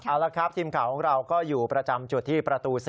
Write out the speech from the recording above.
เอาละครับทีมข่าวของเราก็อยู่ประจำจุดที่ประตู๔